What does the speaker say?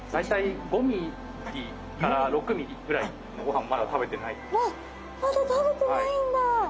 わっまだ食べてないんだ。